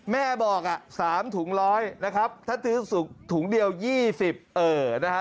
แม่บอก๓ถุง๑๐๐นะครับถ้าซื้อถุงเดียว๒๐เออนะฮะ